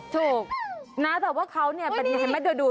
ถูกน้าตอบว่าเขาเป็นอย่างไรดู